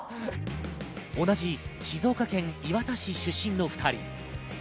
同じ静岡県磐田市出身の２人。